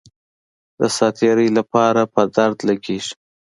د ساعت تیرۍ لپاره په درد لګېږي.